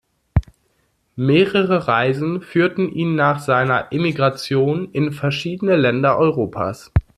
Mehrere Reisen führten ihn nach seiner Emigration in verschiedene Länder Europas.